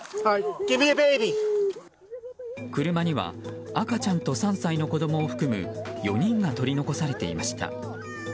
車には赤ちゃんと３歳の子供を含む４人が取り残されていました。